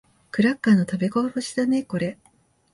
クラッカーの食べこぼしだね、これ。